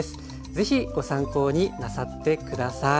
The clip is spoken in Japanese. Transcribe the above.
是非ご参考になさって下さい。